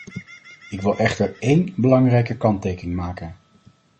Ik wil echter één belangrijke kanttekening maken.